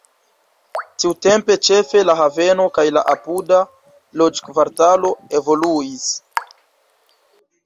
Tiutempe ĉefe la haveno kaj la apuda loĝkvartalo evoluis.